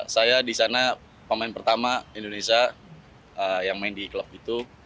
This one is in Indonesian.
saya di sana pemain pertama indonesia yang main di klub itu